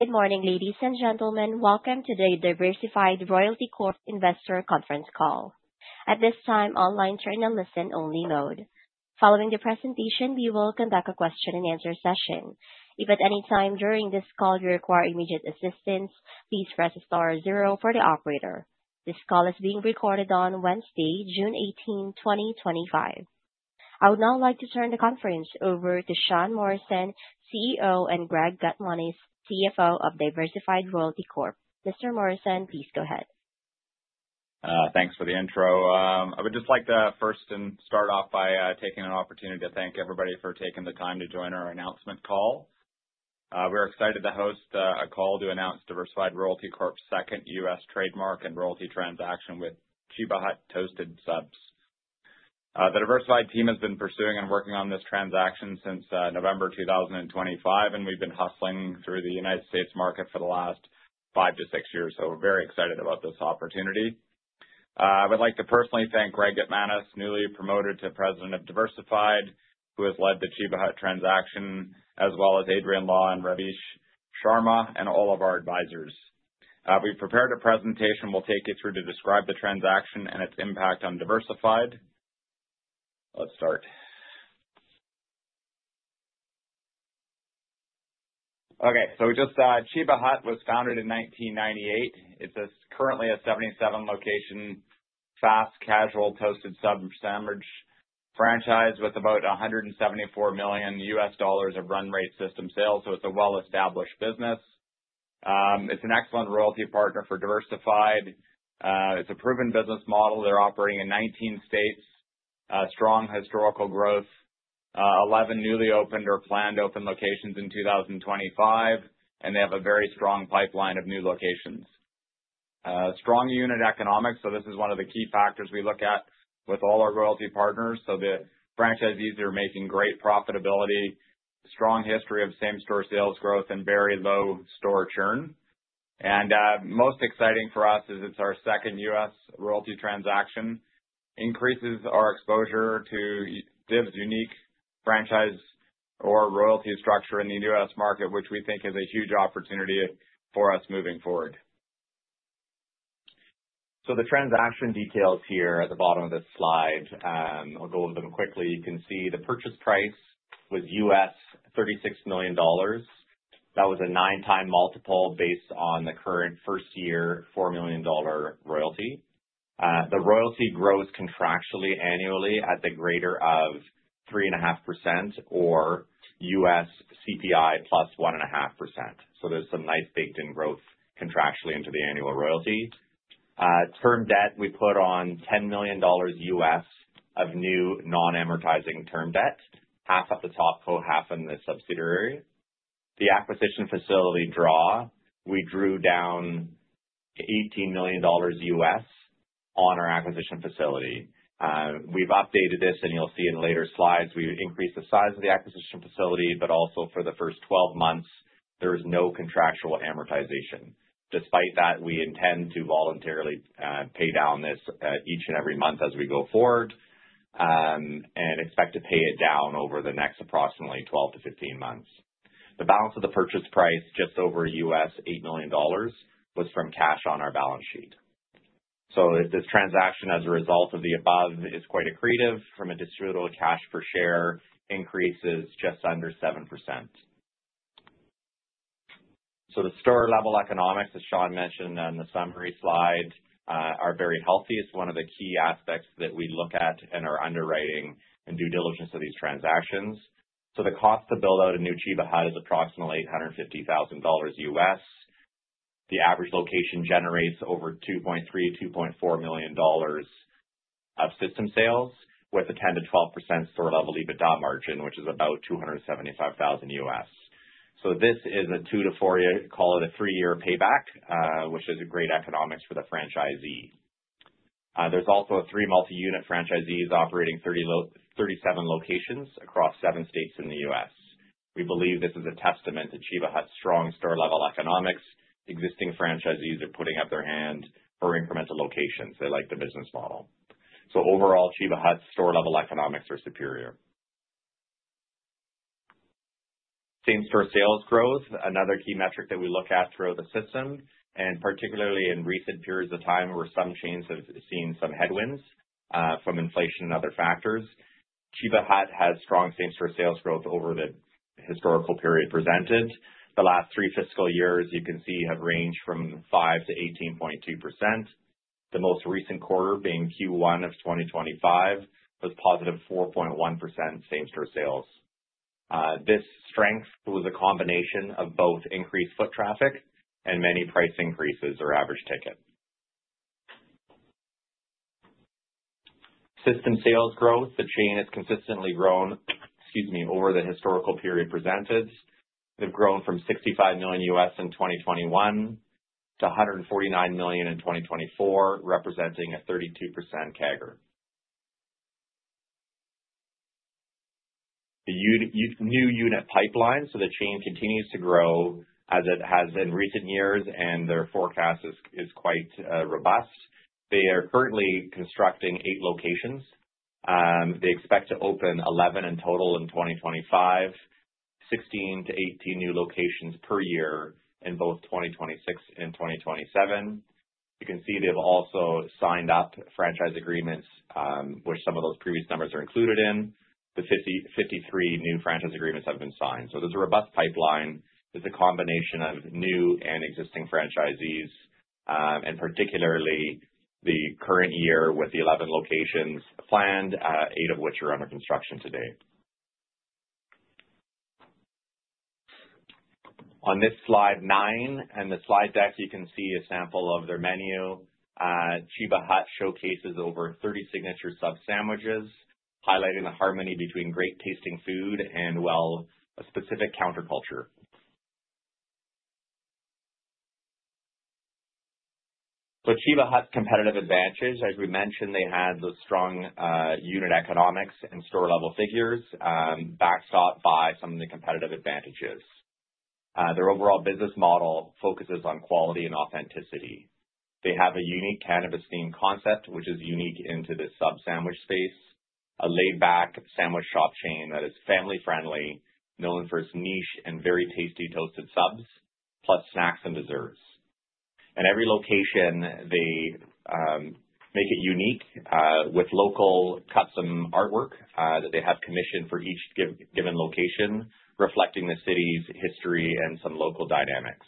Good morning, ladies and gentlemen. Welcome to the Diversified Royalty Corp investor conference call. At this time, all lines are in a listen-only mode. Following the presentation, we will conduct a question and answer session. If at any time during this call you require immediate assistance, please press star zero for the operator. This call is being recorded on Wednesday, June 18, 2025. I would now like to turn the conference over to Sean Morrison, CEO, and Greg Gutmanis, CFO of Diversified Royalty Corp. Mr. Morrison, please go ahead. Thanks for the intro. I would just like to first start off by taking an opportunity to thank everybody for taking the time to join our announcement call. We're excited to host a call to announce Diversified Royalty Corp's second U.S. trademark and royalty transaction with Cheba Hut Toasted Subs. The Diversified team has been pursuing and working on this transaction since November 2025, and we've been hustling through the United States market for the last five to six years, we're very excited about this opportunity. I would like to personally thank Greg Gutmanis, newly promoted to President of Diversified, who has led the Cheba Hut transaction, as well as Adrian Law and Ravish Sharma and all of our advisors. We've prepared a presentation we'll take you through to describe the transaction and its impact on Diversified. Let's start. Okay. Cheba Hut was founded in 1998. It is currently a 77-location fast casual toasted sub sandwich franchise with about $174 million of run rate system sales. It's a well-established business. It's an excellent royalty partner for Diversified. It's a proven business model. They're operating in 19 states. Strong historical growth. 11 newly opened or planned open locations in 2025, and they have a very strong pipeline of new locations. Strong unit economics. This is one of the key factors we look at with all our royalty partners. The franchisees are making great profitability, strong history of same-store sales growth, and very low store churn. Most exciting for us is it's our second U.S. royalty transaction. Increases our exposure to DIV's unique franchise or royalty structure in the U.S. market, which we think is a huge opportunity for us moving forward. The transaction details here at the bottom of this slide, I'll go over them quickly. You can see the purchase price was $36 million. That was a 9x multiple based on the current first-year $4 million royalty. The royalty grows contractually annually at the greater of 3.5% or U.S. CPI plus 1.5%. There's some nice baked-in growth contractually into the annual royalty. Term debt, we put on $10 million of new non-amortizing term debt, half at the top co, half in the subsidiary. The acquisition facility draw, we drew down $18 million on our acquisition facility. We've updated this, and you'll see in later slides, we increased the size of the acquisition facility, but also for the first 12 months, there is no contractual amortization. Despite that, we intend to voluntarily pay down this each and every month as we go forward, and expect to pay it down over the next approximately 12 to 15 months. The balance of the purchase price, just over $8 million U.S., was from cash on our balance sheet. This transaction, as a result of the above, is quite accretive from a distributable cash per share increases just under 7%. The store-level economics, as Sean mentioned on the summary slide, are very healthy. It's one of the key aspects that we look at in our underwriting and due diligence of these transactions. The cost to build out a new Cheba Hut is approximately $850,000 U.S. The average location generates over $2.3 million-$2.4 million of system sales with a 10%-12% store-level EBITDA margin, which is about $275,000 U.S. This is a 2-4, call it a three-year payback, which is great economics for the franchisee. There's also three multi-unit franchisees operating 37 locations across seven states in the U.S. We believe this is a testament to Cheba Hut's strong store-level economics. Existing franchisees are putting up their hand for incremental locations. They like the business model. Overall, Cheba Hut's store-level economics are superior. Same-store sales growth, another key metric that we look at through the system, and particularly in recent periods of time where some chains have seen some headwinds from inflation and other factors. Cheba Hut has strong same-store sales growth over the historical period presented. The last three fiscal years, you can see, have ranged from 5%-18.2%. The most recent quarter being Q1 2025, was positive 4.1% same-store sales. This strength was a combination of both increased foot traffic and many price increases or average ticket. System sales growth. The chain has consistently grown over the historical period presented. They've grown from $65 million U.S. in 2021 to $149 million in 2024, representing a 32% CAGR. The new unit pipeline. The chain continues to grow as it has in recent years, and their forecast is quite robust. They are currently constructing eight locations They expect to open 11 in total in 2025, 16-18 new locations per year in both 2026 and 2027. You can see they've also signed up franchise agreements, which some of those previous numbers are included in. The 53 new franchise agreements have been signed. There's a robust pipeline. There's a combination of new and existing franchisees, and particularly, the current year with the 11 locations planned, eight of which are under construction to date. On this slide nine, in the slide deck, you can see a sample of their menu. Cheba Hut showcases over 30 signature sub sandwiches, highlighting the harmony between great-tasting food and, well, a specific counterculture. Cheba Hut's competitive advantages, as we mentioned, they had those strong unit economics and store-level figures, backstop by some of the competitive advantages. Their overall business model focuses on quality and authenticity. They have a unique cannabis-themed concept, which is unique into this sub sandwich space. A laid-back sandwich shop chain that is family-friendly, known for its niche and very tasty toasted subs, plus snacks and desserts. In every location, they make it unique with local custom artwork that they have commissioned for each given location, reflecting the city's history and some local dynamics.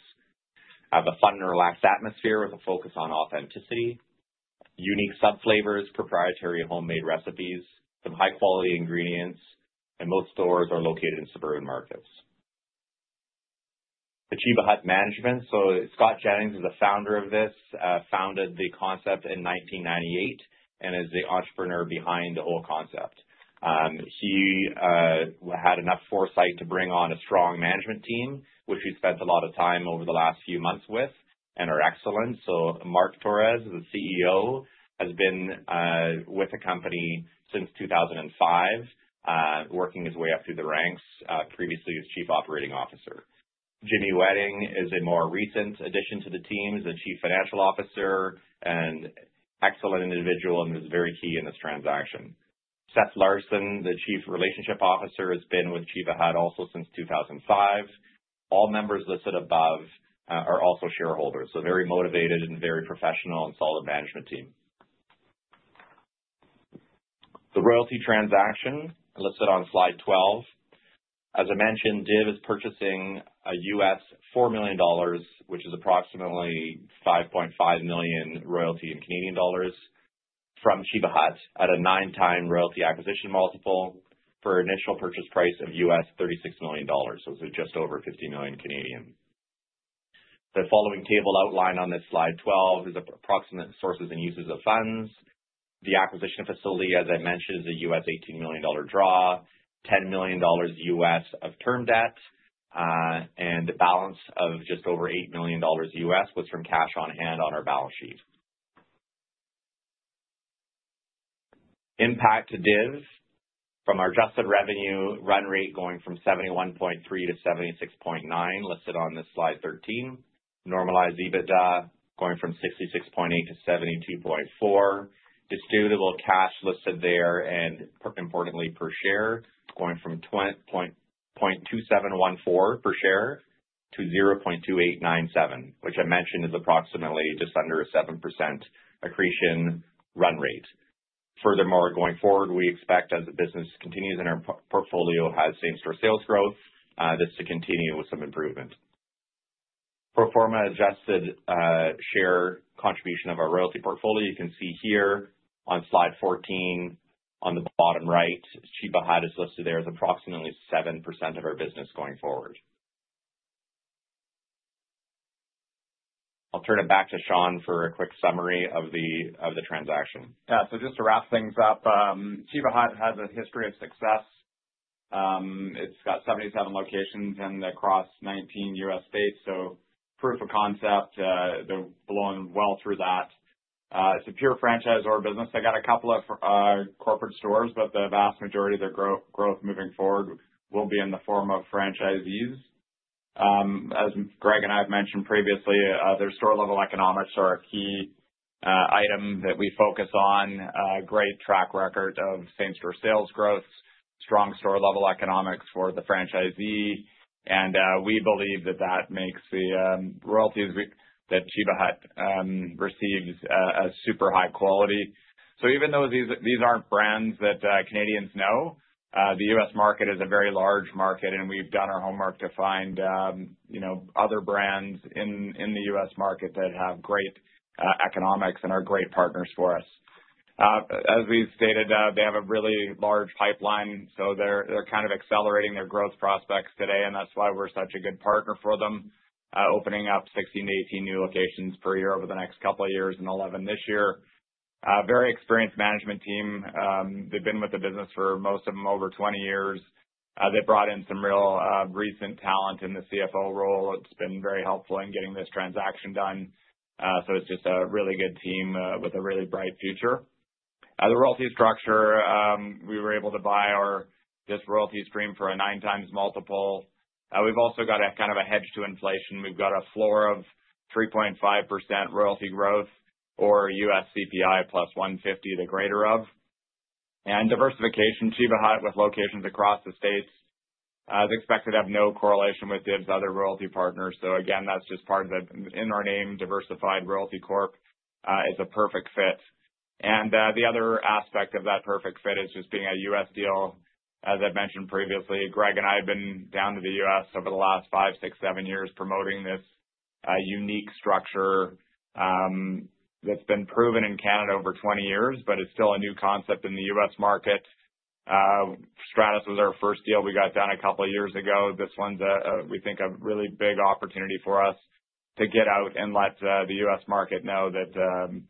Have a fun and relaxed atmosphere with a focus on authenticity. Unique sub flavors, proprietary homemade recipes, high-quality ingredients, and most stores are located in suburban markets. The Cheba Hut management. Scott Jennings is the founder of this, founded the concept in 1998 and is the entrepreneur behind the whole concept. He had enough foresight to bring on a strong management team, which we spent a lot of time over the last few months with and are excellent. Marc Torres, the Chief Executive Officer, has been with the company since 2005, working his way up through the ranks, previously as Chief Operating Officer. Jimmy Wedding is a more recent addition to the team as the Chief Financial Officer, an excellent individual and was very key in this transaction. Seth Larsen, the Chief Relationship Officer, has been with Cheba Hut also since 2005. All members listed above are also shareholders, very motivated and very professional and solid management team. The royalty transaction listed on slide 12. As I mentioned, DIV is purchasing a $4 million U.S., which is approximately 5.5 million royalty in Canadian dollars from Cheba Hut at a 9x royalty acquisition multiple for an initial purchase price of $36 million U.S. This is just over 50 million Canadian dollars. The following table outlined on this slide 12 is approximate sources and uses of funds. The acquisition facility, as I mentioned, is an $18 million U.S. draw, $10 million U.S. of term debt, and the balance of just over $8 million U.S. was from cash on hand on our balance sheet. Impact to DIV from our adjusted revenue run rate going from 71.3 million to 76.9 million, listed on this slide 13. Normalized EBITDA going from 66.8 million to 72.4 million. Distributable cash listed there, and importantly, per share, going from 0.2714 per share to 0.2897, which I mentioned is approximately just under a 7% accretion run rate. Furthermore, going forward, we expect as the business continues and our portfolio has same-store sales growth, this to continue with some improvement. Pro forma adjusted share contribution of our royalty portfolio. You can see here on slide 14 on the bottom right, Cheba Hut is listed there as approximately 7% of our business going forward. I'll turn it back to Sean for a quick summary of the transaction. Just to wrap things up, Cheba Hut has a history of success. It's got 77 locations across 19 U.S. states, so proof of concept, they're blowing well through that. It's a pure franchisor business. They got a couple of corporate stores, but the vast majority of their growth moving forward will be in the form of franchisees. As Greg and I have mentioned previously, their store-level economics are a key item that we focus on. A great track record of same-store sales growth, strong store-level economics for the franchisee. We believe that that makes the royalties that Cheba Hut receives super high quality. Even though these aren't brands that Canadians know, the U.S. market is a very large market. We've done our homework to find other brands in the U.S. market that have great economics and are great partners for us. As we've stated, they have a really large pipeline. They're kind of accelerating their growth prospects today and that's why we're such a good partner for them, opening up 16 to 18 new locations per year over the next couple of years and 11 this year. A very experienced management team. They've been with the business for, most of them, over 20 years. They brought in some real recent talent in the CFO role. It's been very helpful in getting this transaction done. It's just a really good team with a really bright future. The royalty structure, we were able to buy this royalty stream for a 9 times multiple. We've also got a kind of a hedge to inflation. We've got a floor of 3.5% royalty growth or U.S. CPI +150, the greater of. Diversification, Cheba Hut with locations across the States is expected to have no correlation with DIV's other royalty partners. Again, that's just part of in our name, Diversified Royalty Corp, is a perfect fit. The other aspect of that perfect fit is just being a U.S. deal. As I've mentioned previously, Greg and I have been down to the U.S. over the last five, six, seven years promoting this unique structure that's been proven in Canada over 20 years, but it's still a new concept in the U.S. market. Stratus was our first deal we got done a couple of years ago. This one, we think, a really big opportunity for us to get out and let the U.S. market know that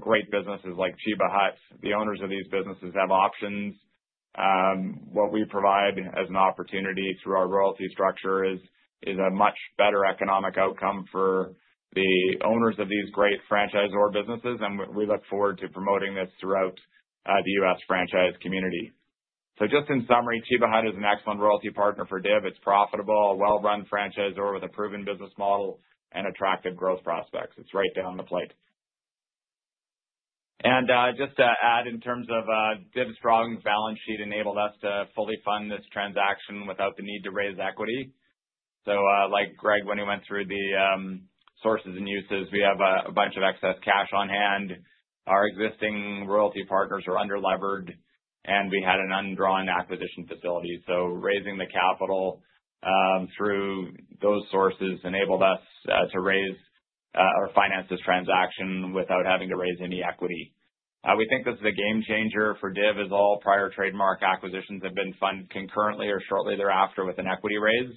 great businesses like Cheba Hut, the owners of these businesses have options. What we provide as an opportunity through our royalty structure is a much better economic outcome for the owners of these great franchisor businesses. We look forward to promoting this throughout the U.S. franchise community. Just in summary, Cheba Hut is an excellent royalty partner for DIV. It's profitable, a well-run franchisor with a proven business model and attractive growth prospects. It's right down the plate. Just to add in terms of DIV's strong balance sheet enabled us to fully fund this transaction without the need to raise equity. Like Greg, when he went through the sources and uses, we have a bunch of excess cash on hand. Our existing royalty partners are under-levered, and we had an undrawn acquisition facility. Raising the capital through those sources enabled us to raise or finance this transaction without having to raise any equity. We think this is a game changer for DIV as all prior trademark acquisitions have been funded concurrently or shortly thereafter with an equity raise.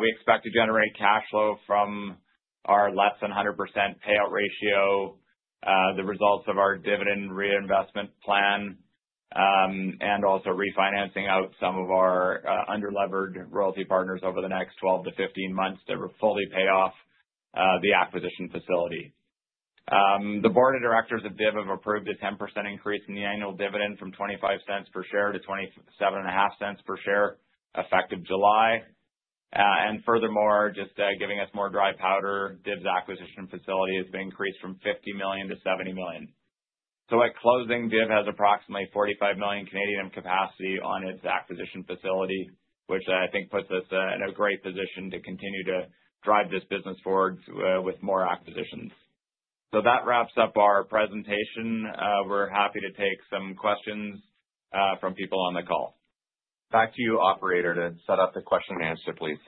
We expect to generate cash flow from our less than 100% payout ratio, the results of our dividend reinvestment plan, and also refinancing out some of our under-levered royalty partners over the next 12-15 months to fully pay off the acquisition facility. The board of directors of DIV have approved a 10% increase in the annual dividend from 0.25 per share to 0.275 per share effective July. Furthermore, just giving us more dry powder, DIV's acquisition facility has been increased from 50 million-70 million. At closing, DIV has approximately 45 million capacity on its acquisition facility, which I think puts us in a great position to continue to drive this business forward with more acquisitions. That wraps up our presentation. We are happy to take some questions from people on the call. Back to you, operator, to set up the question and answer, please.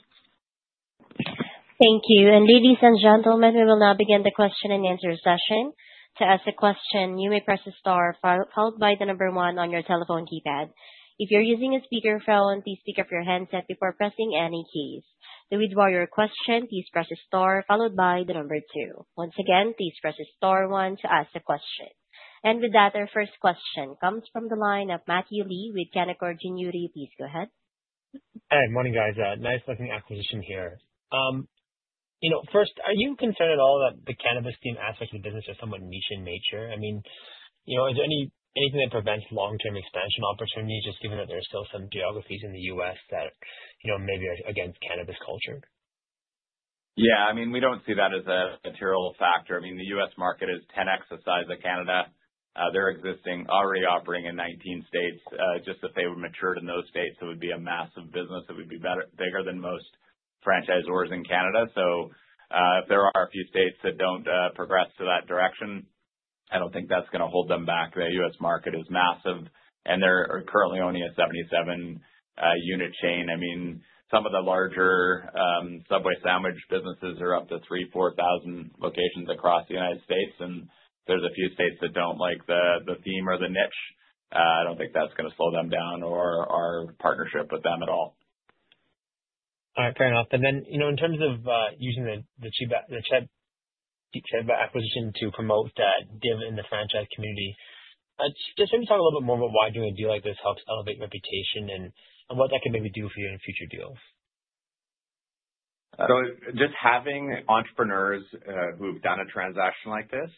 Thank you. Ladies and gentlemen, we will now begin the question and answer session. To ask a question, you may press star followed by the number 1 on your telephone keypad. If you are using a speakerphone, please pick up your handset before pressing any keys. To withdraw your question, please press star followed by the number 2. Once again, please press star 1 to ask the question. With that, our first question comes from the line of Matthew Lee with Canaccord Genuity. Please go ahead. Hey, morning, guys. Nice looking acquisition here. First, are you concerned at all that the cannabis theme aspect of the business is somewhat niche in nature? Is there anything that prevents long-term expansion opportunities, just given that there are still some geographies in the U.S. that maybe are against cannabis culture? We don't see that as a material factor. The U.S. market is 10x the size of Canada. They're existing, already operating in 19 states. Just if they were matured in those states, it would be a massive business that would be bigger than most franchisors in Canada. If there are a few states that don't progress to that direction, I don't think that's going to hold them back. The U.S. market is massive and they're currently only a 77 unit chain. Some of the larger Subway sandwich businesses are up to 3,000, 4,000 locations across the U.S. If there's a few states that don't like the theme or the niche, I don't think that's going to slow them down or our partnership with them at all. All right, fair enough. In terms of using the Cheba acquisition to promote DIV in the franchise community, just maybe talk a little bit more about why doing a deal like this helps elevate reputation and what that can maybe do for you in future deals. Just having entrepreneurs who've done a transaction like this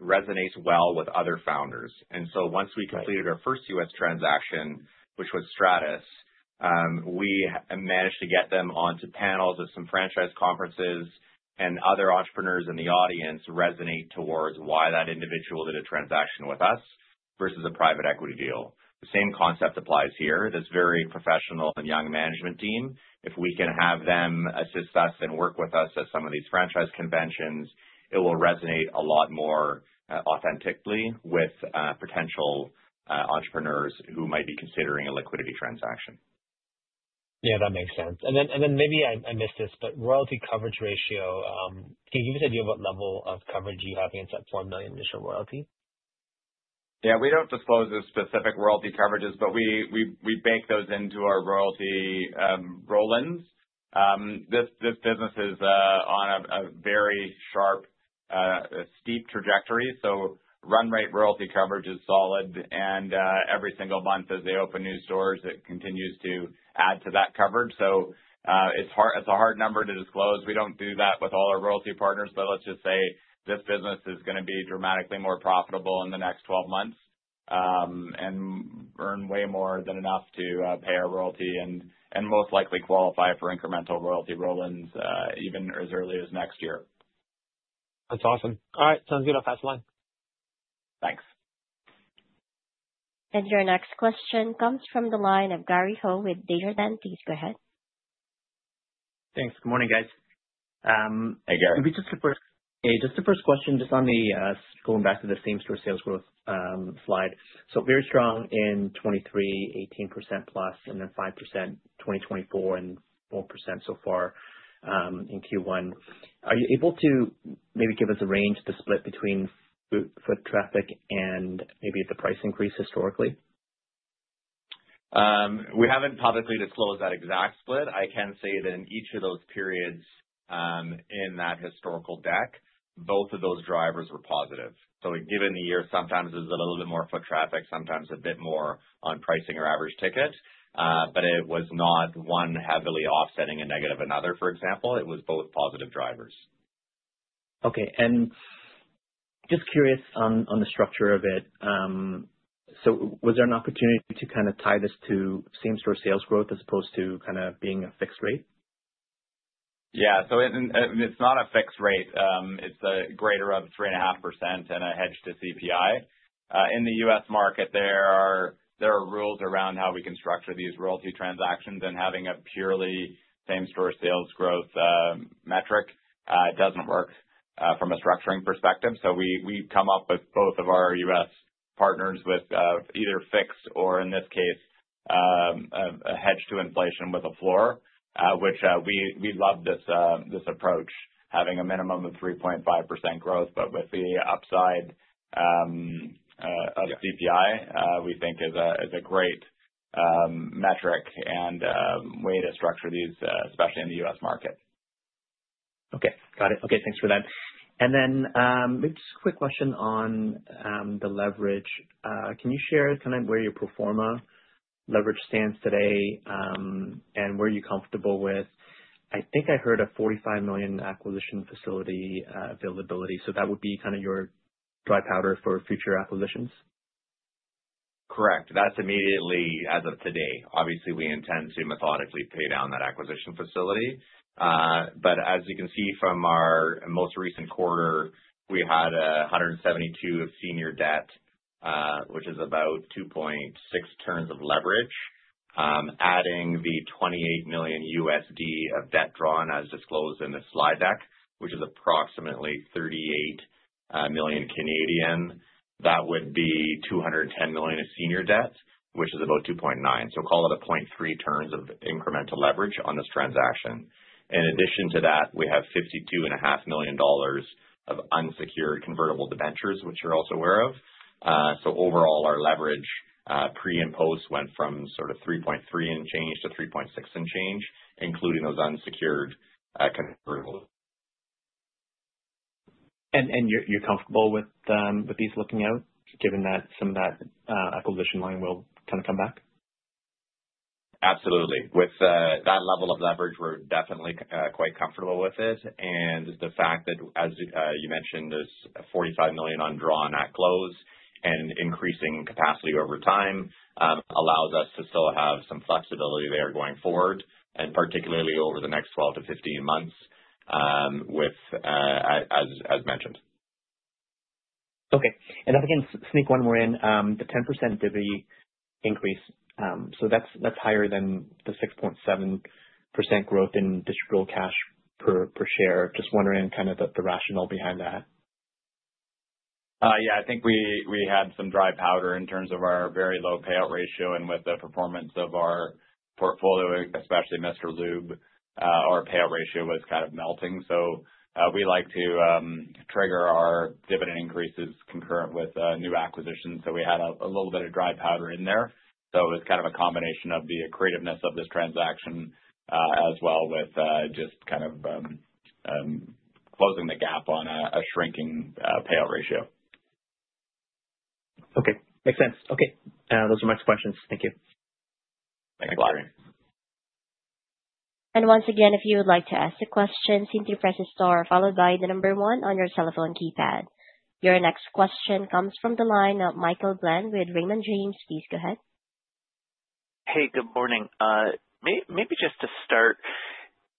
resonates well with other founders. Once we completed our first U.S. transaction, which was Stratus, we managed to get them onto panels of some franchise conferences and other entrepreneurs in the audience resonate towards why that individual did a transaction with us versus a private equity deal. The same concept applies here. This very professional and young management team, if we can have them assist us and work with us at some of these franchise conventions, it will resonate a lot more authentically with potential entrepreneurs who might be considering a liquidity transaction. Yeah, that makes sense. Maybe I missed this, royalty coverage ratio, can you give me an idea of what level of coverage you have against that 4 million initial royalty? We don't disclose the specific royalty coverages, we bake those into our royalty roll-ins. This business is on a very sharp, steep trajectory, run rate royalty coverage is solid, and every single month as they open new stores, it continues to add to that coverage. It's a hard number to disclose. We don't do that with all our royalty partners, let's just say this business is going to be dramatically more profitable in the next 12 months Earn way more than enough to pay our royalty and most likely qualify for incremental royalty roll-ins, even as early as next year. That's awesome. All right, sounds good. I'll pass the line. Thanks. Your next question comes from the line of Gary Ho with Desjardins. Please go ahead. Thanks. Good morning, guys. Hey, Gary. Maybe just the first question, just on the, going back to the same-store sales growth slide. Very strong in 2023, 18%+ and then 5% in 2024, and 4% so far, in Q1. Are you able to maybe give us a range, the split between foot traffic and maybe the price increase historically? We haven't publicly disclosed that exact split. I can say that in each of those periods, in that historical deck, both of those drivers were positive. Given the year, sometimes it was a little bit more foot traffic, sometimes a bit more on pricing or average ticket. It was not one heavily offsetting a negative another, for example. It was both positive drivers. Just curious on the structure of it. Was there an opportunity to tie this to same-store sales growth as opposed to being a fixed rate? Yeah. It's not a fixed rate. It's a greater of 3.5% and a hedge to CPI. In the U.S. market, there are rules around how we can structure these royalty transactions. Having a purely same-store sales growth metric doesn't work from a structuring perspective. We've come up with both of our U.S. partners with either fixed or, in this case, a hedge to inflation with a floor, which we love this approach, having a minimum of 3.5% growth, but with the upside of CPI, we think is a great metric and way to structure these, especially in the U.S. market. Okay. Got it. Okay, thanks for that. Then, maybe just a quick question on the leverage. Can you share where your pro forma leverage stands today, and where you're comfortable with? I think I heard a 45 million acquisition facility availability, that would be your dry powder for future acquisitions. Correct. That's immediately as of today. Obviously, we intend to methodically pay down that acquisition facility. As you can see from our most recent quarter, we had 172 million of senior debt, which is about 2.6 turns of leverage. Adding the $28 million USD of debt drawn as disclosed in the slide deck, which is approximately 38 million, that would be 210 million of senior debt, which is about 2.9. Call it a 0.3 turns of incremental leverage on this transaction. In addition to that, we have 52.5 million dollars of unsecured convertible debentures, which you're also aware of. Overall, our leverage, pre and post, went from sort of 3.3 and change to 3.6 and change, including those unsecured convertibles. You're comfortable with these looking out, given that some of that acquisition line will come back? Absolutely. With that level of leverage, we're definitely quite comfortable with it. The fact that, as you mentioned, there's 45 million undrawn at close and increasing capacity over time, allows us to still have some flexibility there going forward, and particularly over the next 12 to 15 months, as mentioned. Okay. If I can sneak one more in, the 10% divi increase. That's higher than the 6.7% growth in distributable cash per share. Just wondering the rationale behind that. Yeah, I think we had some dry powder in terms of our very low payout ratio and with the performance of our portfolio, especially Mr. Lube, our payout ratio was kind of melting. We like to trigger our dividend increases concurrent with new acquisitions. We had a little bit of dry powder in there. It was kind of a combination of the creativeness of this transaction, as well with just closing the gap on a shrinking payout ratio. Okay. Makes sense. Okay. Those are my questions. Thank you. Thanks, Gary. Once again, if you would like to ask a question, simply press star followed by the number 1 on your telephone keypad. Your next question comes from the line of Michael Glen with Raymond James. Please go ahead. Hey, good morning. Maybe just to start,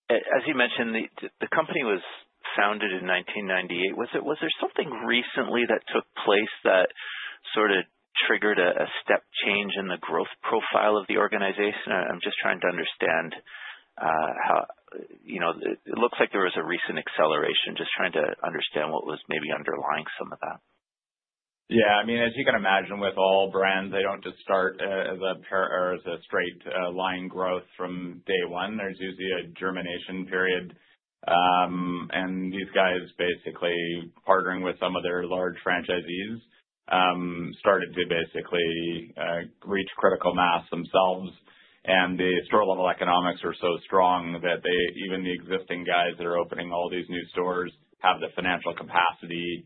as you mentioned, the company was founded in 1998. Was there something recently that took place that sort of triggered a step change in the growth profile of the organization? I'm just trying to understand how It looks like there was a recent acceleration. Just trying to understand what was maybe underlying some of that. Yeah. As you can imagine with all brands, they don't just start as a straight line growth from day one. There's usually a germination period. These guys basically partnering with some of their large franchisees, started to basically reach critical mass themselves. The store-level economics are so strong that even the existing guys that are opening all these new stores have the financial capacity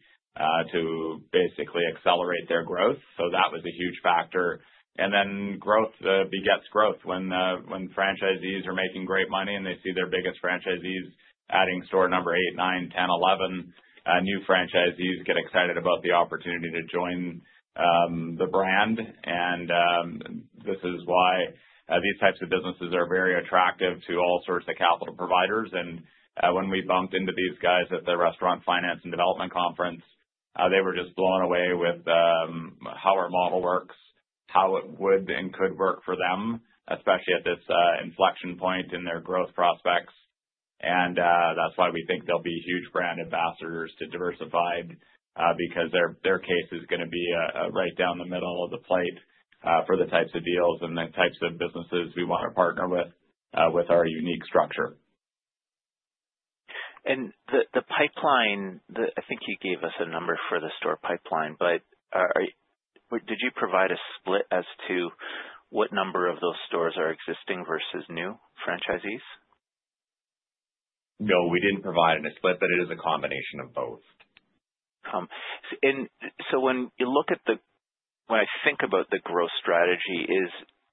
to basically accelerate their growth. That was a huge factor. Growth begets growth. When franchisees are making great money and they see their biggest franchisees adding store number 8, 9, 10, 11, new franchisees get excited about the opportunity to join the brand. This is why these types of businesses are very attractive to all sorts of capital providers. When we bumped into these guys at the Restaurant Finance & Development Conference, they were just blown away with how our model works, how it would and could work for them, especially at this inflection point in their growth prospects. That's why we think they'll be huge brand ambassadors to Diversified, because their case is going to be right down the middle of the plate for the types of deals and the types of businesses we want to partner with our unique structure. The pipeline, I think you gave us a number for the store pipeline. Did you provide a split as to what number of those stores are existing versus new franchisees? No, we didn't provide a split. It is a combination of both. When I think about the growth strategy,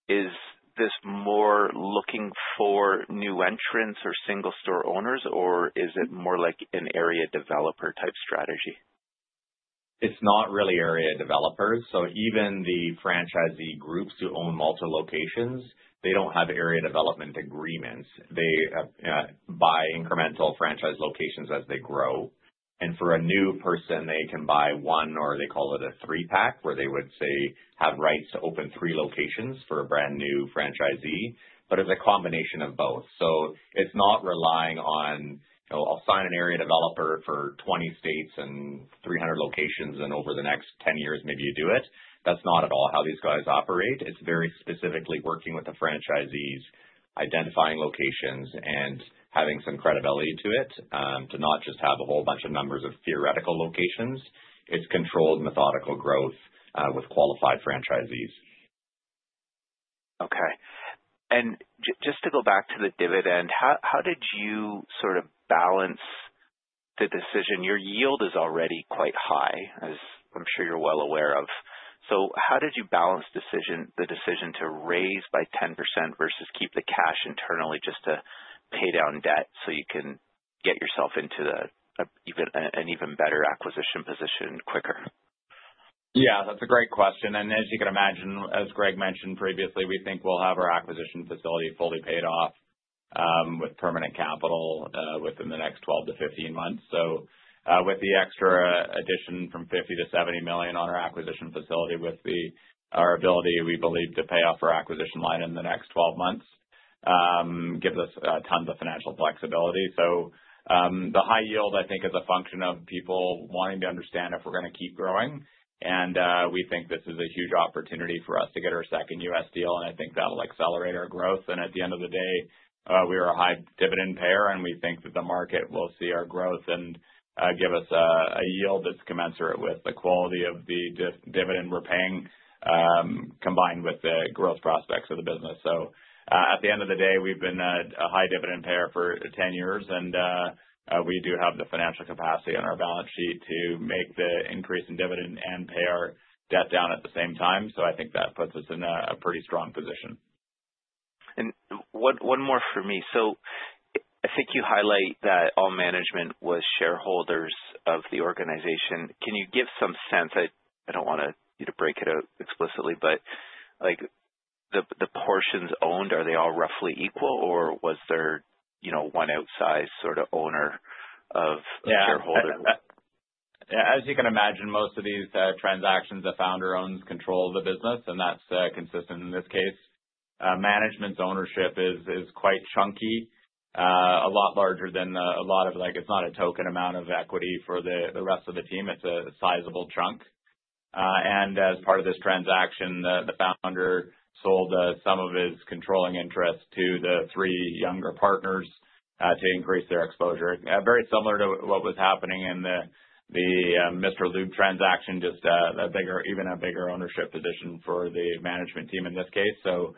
is this more looking for new entrants or single store owners, or is it more like an area developer type strategy? It's not really area developers. Even the franchisee groups who own multiple locations, they don't have area development agreements. They buy incremental franchise locations as they grow. For a new person, they can buy one, or they call it a three-pack, where they would, say, have rights to open three locations for a brand new franchisee. It's a combination of both. It's not relying on, I'll sign an area developer for 20 states and 300 locations, and over the next 10 years, maybe you do it. That's not at all how these guys operate. It's very specifically working with the franchisees, identifying locations, and having some credibility to it, to not just have a whole bunch of numbers of theoretical locations. It's controlled, methodical growth, with qualified franchisees. Okay. Just to go back to the dividend, how did you sort of balance the decision? Your yield is already quite high, as I'm sure you're well aware of. How did you balance the decision to raise by 10% versus keep the cash internally just to pay down debt so you can get yourself into an even better acquisition position quicker? Yeah, that's a great question. As you can imagine, as Greg mentioned previously, we think we'll have our acquisition facility fully paid off, with permanent capital, within the next 12 to 15 months. With the extra addition from 50 million-70 million on our acquisition facility, with our ability, we believe, to pay off our acquisition line in the next 12 months, gives us tons of financial flexibility. The high yield, I think, is a function of people wanting to understand if we're going to keep growing. We think this is a huge opportunity for us to get our second U.S. deal, and I think that'll accelerate our growth. At the end of the day, we are a high dividend payer, and we think that the market will see our growth and give us a yield that's commensurate with the quality of the dividend we're paying, combined with the growth prospects of the business. At the end of the day, we've been a high dividend payer for 10 years, and we do have the financial capacity on our balance sheet to make the increase in dividend and pay our debt down at the same time. I think that puts us in a pretty strong position. One more for me. I think you highlight that all management was shareholders of the organization. Can you give some sense, I don't want you to break it out explicitly, but the portions owned, are they all roughly equal, or was there one outsized sort of owner of shareholders? As you can imagine, most of these transactions, the founder owns control of the business, and that's consistent in this case. Management's ownership is quite chunky, a lot larger than it's not a token amount of equity for the rest of the team. It's a sizable chunk. As part of this transaction, the founder sold some of his controlling interest to the three younger partners, to increase their exposure. Very similar to what was happening in the Mr. Lube transaction, just even a bigger ownership position for the management team in this case. The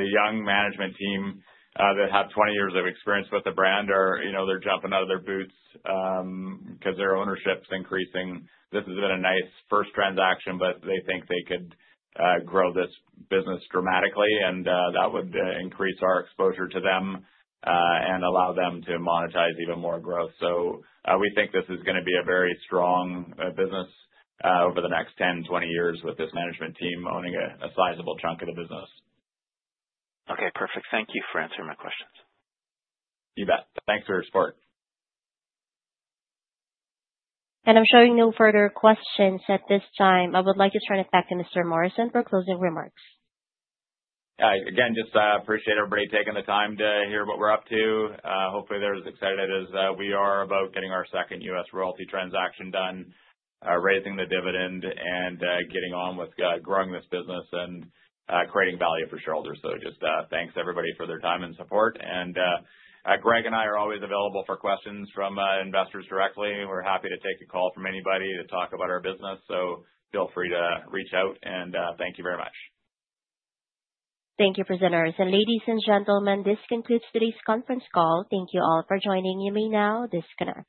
young management team that have 20 years of experience with the brand are jumping out of their boots, because their ownership's increasing. This has been a nice first transaction, they think they could grow this business dramatically, and that would increase our exposure to them, and allow them to monetize even more growth. We think this is going to be a very strong business over the next 10, 20 years with this management team owning a sizable chunk of the business. Okay, perfect. Thank you for answering my questions. You bet. Thanks for your support. I'm showing no further questions at this time. I would like to turn it back to Mr. Morrison for closing remarks. Again, just appreciate everybody taking the time to hear what we're up to. Hopefully, they're as excited as we are about getting our second U.S. Royalty transaction done, raising the dividend, and getting on with growing this business and creating value for shareholders. Just thanks everybody for their time and support. Greg and I are always available for questions from investors directly. We're happy to take a call from anybody to talk about our business. Feel free to reach out, and thank you very much. Thank you, presenters. Ladies and gentlemen, this concludes today's conference call. Thank you all for joining. You may now disconnect.